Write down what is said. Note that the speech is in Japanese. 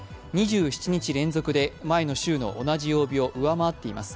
２７日連続で前の週の同じ曜日を上回っています。